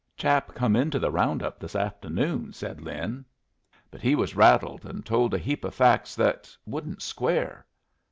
"Chap come into the round up this afternoon," said Lin. "But he was rattled, and told a heap o' facts that wouldn't square."